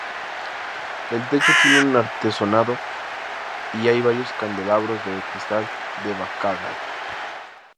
El techo tiene un artesonado y hay varios candelabros de cristal de Baccarat.